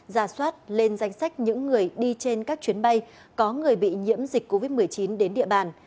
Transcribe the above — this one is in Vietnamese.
giả soát lên danh sách những người đi trên các chuyến bay có người bị nhiễm dịch covid một mươi chín đến địa bàn